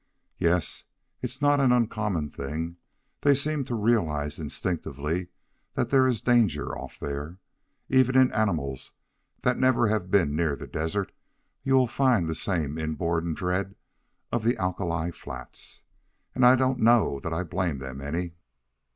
"Yes. It is not an uncommon thing. They seem to realize instinctively that there is danger off there. Even in animals that never have been near the desert you will find the same inborn dread of the alkali flats. And I don't know that I blame them any."